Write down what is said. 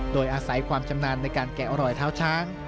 โดยอาศัยความชำนาญในการแกะรอยเท้าช้าง